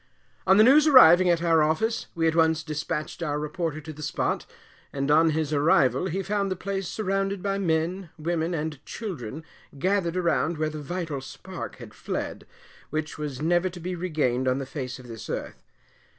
On the news arriving at our office, we at once dispatched our reporter to the spot, and on his arrival he found the place surrounded by men, women, and children, gathered around where the vital spark had fled, which was never to be regained on the face of this earth.